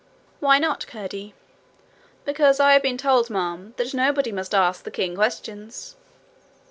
'Why not, Curdie?' 'Because I have been told, ma'am, that nobody must ask the king questions.'